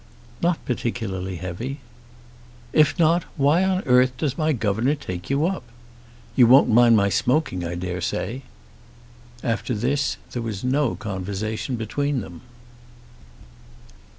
"Not particularly heavy." "If not, why on earth does my governor take you up? You won't mind my smoking, I dare say." After this there was no conversation between them.